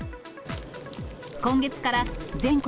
今月から、全国